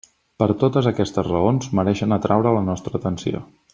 Per totes aquestes raons mereixen atraure la nostra atenció.